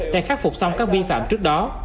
để khắc phục xong các vi phạm trước đó